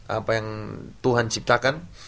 apa yang tuhan ciptakan